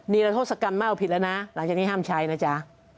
นิรโทษกรรมไม่เอาผิดแล้วนะหลังจากนี้ห้ามใช้นะจ๊ะ